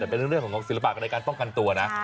แต่เป็นเรื่องของศิลปะในการป้องกันตัวนะ